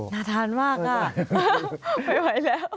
อร่อยทานมากอ่ะไปไว้แล้ว